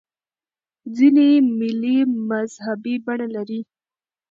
ځیني مېلې مذهبي بڼه لري.